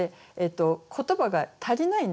言葉が足りないんですよ。